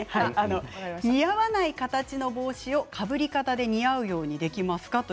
似合わない形の帽子をかぶり方で似合うようにできますか？